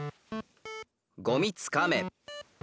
「ゴミつかめ」。